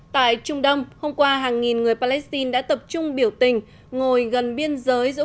tại trung đông hôm qua hàng nghìn người palestine đã tập trung biểu tình ngồi gần biên giới giữa